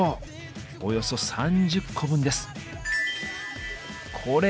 およそ３０個分です。